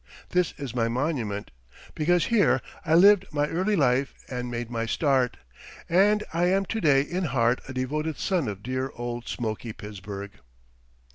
This is my monument, because here I lived my early life and made my start, and I am to day in heart a devoted son of dear old smoky Pittsburgh.